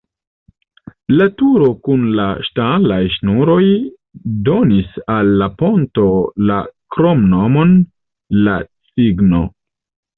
La turo kun la ŝtalaj ŝnuroj donis al la ponto la kromnomon "la cigno".